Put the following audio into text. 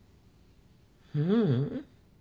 ううん。